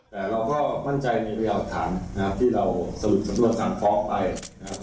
แต่เราก็มั่นใจในพยายามหลักฐานนะครับที่เราสรุปสำนวนทางฟ้องไปนะครับ